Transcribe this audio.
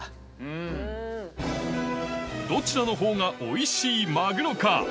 どちらのほうがおいしいマグロか？